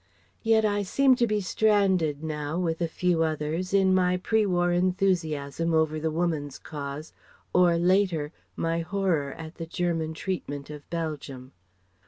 Yet I seem to be stranded now, with a few others, in my pre war enthusiasm over the woman's cause, or, later, my horror at the German treatment of Belgium.